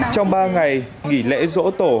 trong ba ngày nghỉ lễ dỗ tổ